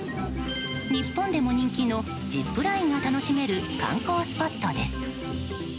日本でも人気のジップラインが楽しめる観光スポットです。